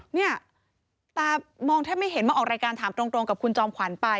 เนี่ยตามองแทบไม่เห็นมาออกรายการถามตรงกับคุณจอมขวัญไป